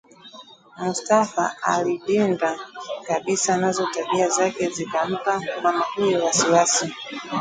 Mustafa alidinda kabisa nazo tabia zake zikampa mama huyo waiwasi